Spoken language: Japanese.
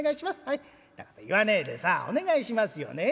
「んなこと言わねえでさお願いしますよねえ。